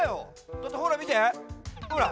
だってほらみてほら。